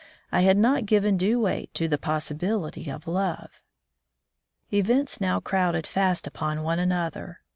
I had not given due weight to the possibility of love. Events now crowded fast upon one another.